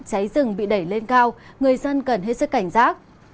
cháy rừng bị đẩy lên cao người dân cần hết sức cảnh giác